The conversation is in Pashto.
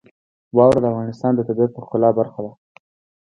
واوره د افغانستان د طبیعت د ښکلا برخه ده.